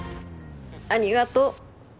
ありがとう。